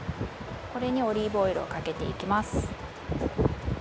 これにオリーブオイルをかけていきます。